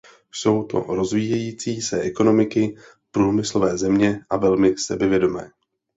Jsou to rozvíjející se ekonomiky, průmyslové země, a velmi sebevědomé.